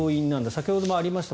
先ほどもありました。